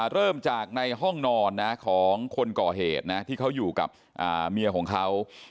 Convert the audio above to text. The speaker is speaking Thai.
เริ่มจากในห้องนอนของคนก่อเหตุนะที่เขาอยู่กับเมียของเขา